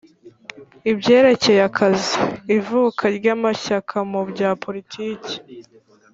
ibyerekeye akazi; ivuka ry'amashyaka mu bya politike